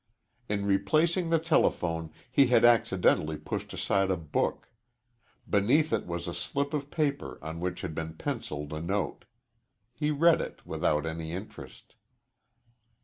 In replacing the telephone he had accidentally pushed aside a book. Beneath it was a slip of paper on which had been penciled a note. He read it, without any interest.